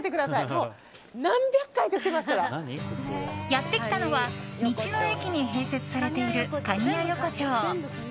やってきたのは道の駅に併設されている、かにや横丁。